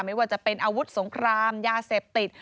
ไม่ว่าจะเป็นอาวุธสงครามยาเสพติด